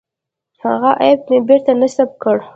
هغه اپ مې بېرته نصب کړ.